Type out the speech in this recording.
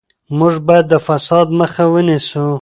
موږ باید د فساد مخه ونیسو.